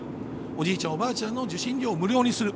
おじいちゃん、おばあちゃんの受信料を無料にする。